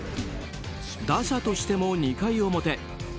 打者としても、２回表。